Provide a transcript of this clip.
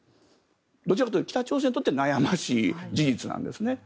どちらかというと北朝鮮にとって悩ましい事実なんですね。